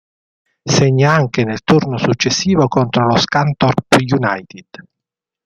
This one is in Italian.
Segna anche nel turno successivo contro lo Scunthorpe United.